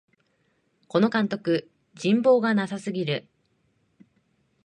この監督、人望がなさすぎる